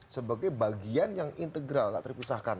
sebagai bagian yang integral tak terpisahkan